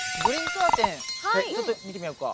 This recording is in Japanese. カーテンちょっと見てみようか。